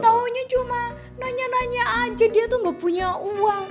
taunya cuma nanya nanya aja dia tuh gak punya uang